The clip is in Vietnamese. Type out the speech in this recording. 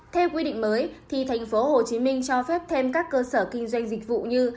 theo quy định mới thì tp hcm cho phép thêm các cơ sở kinh doanh dịch vụ như